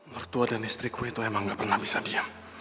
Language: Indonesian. mertua dan istriku itu emang gak pernah bisa diam